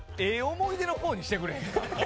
思い出の方にしてくれへんか？